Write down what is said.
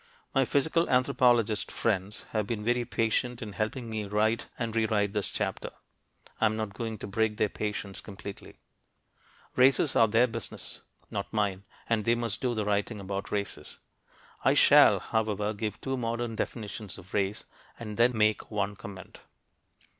My physical anthropologist friends have been very patient in helping me to write and rewrite this chapter I am not going to break their patience completely. Races are their business, not mine, and they must do the writing about races. I shall, however, give two modern definitions of race, and then make one comment.